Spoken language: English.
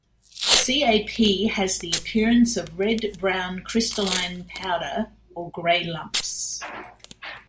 CaP has the appearance of red-brown crystalline powder or grey lumps.